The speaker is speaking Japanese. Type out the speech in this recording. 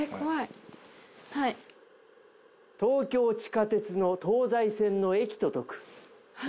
はい東京地下鉄の東西線の駅と解く